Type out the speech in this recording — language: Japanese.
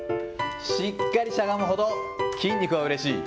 しっかりしゃがむほど筋肉はうれしい。